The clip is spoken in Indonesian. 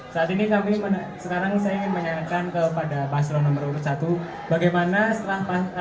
saat ini kami sekarang saya ingin menanyakan kepada paslon nomor urut satu bagaimana setelah